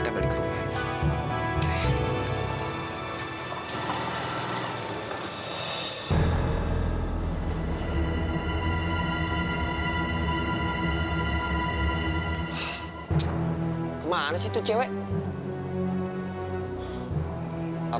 tante butuh bantuan milo